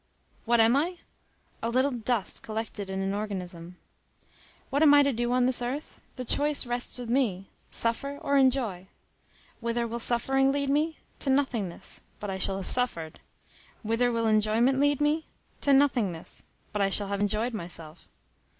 What am I? A little dust collected in an organism. What am I to do on this earth? The choice rests with me: suffer or enjoy. Whither will suffering lead me? To nothingness; but I shall have suffered. Whither will enjoyment lead me? To nothingness; but I shall have enjoyed myself.